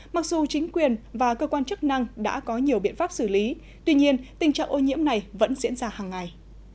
mặc dù chính quyền và cơ quan chức năng đã có nhiều biện pháp xử lý tuy nhiên tình trạng ô nhiễm này vẫn diễn ra hàng ngày